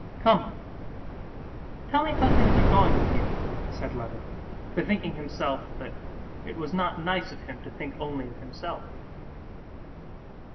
"Come, tell me how things are going with you," said Levin, bethinking himself that it was not nice of him to think only of himself.